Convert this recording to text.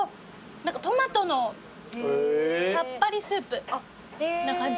何かトマトのさっぱりスープな感じです。